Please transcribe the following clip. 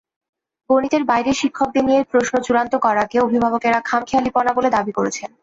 গণিতের বাইরের শিক্ষকদের দিয়ে প্রশ্ন চূড়ান্ত করাকে অভিভাবকেরা খামখেয়ালিপনা বলে দাবি করেছেন।